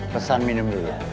pesan minum dulu